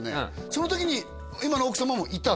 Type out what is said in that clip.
その時に今の奥様もいた？